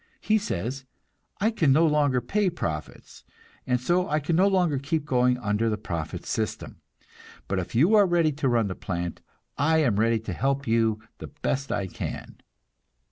He says: "I can no longer pay profits, and so I can no longer keep going under the profit system; but if you are ready to run the plant, I am ready to help you the best I can."